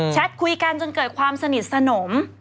คุยกันจนเกิดความสนิทสนม